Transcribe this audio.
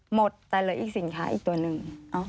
หมดแต่เหลืออีกสินค้าอีกตัวหนึ่ง